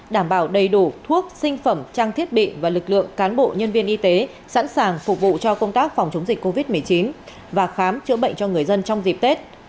đảm bảo đầy đủ thuốc sinh phẩm trang thiết bị và lực lượng cán bộ nhân viên y tế sẵn sàng phục vụ cho công tác phòng chống dịch covid một mươi chín và khám chữa bệnh cho người dân trong dịp tết